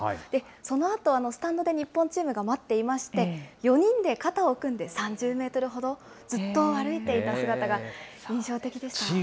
そのあと、スタンドで日本チームが待っていまして、４人で肩を組んで、３０メートルほど、ずっと歩いていた姿が印象的でした。